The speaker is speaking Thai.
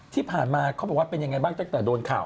ที่ผ่านมาเขาบอกว่าเป็นยังไงบ้างตั้งแต่โดนข่าว